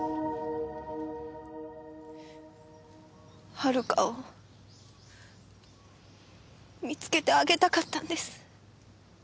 遥を見つけてあげたかったんです。